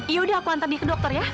yaudah aku antar dia ke dokter ya